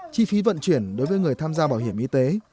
chi phí vận chuyển đối với người tham gia bảo hiểm y tế